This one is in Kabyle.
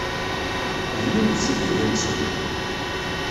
D yiwet si tid-nsen.